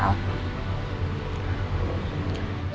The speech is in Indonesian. selamat pak al